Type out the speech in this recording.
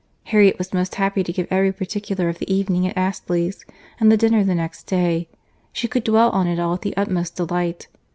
—Harriet was most happy to give every particular of the evening at Astley's, and the dinner the next day; she could dwell on it all with the utmost delight.